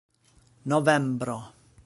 novembro